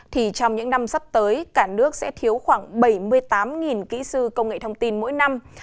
thì trong những năm sắp tới cả nước sẽ thiếu khoảng bảy mươi tám kỹ sư công nghệ thông tin mỗi năm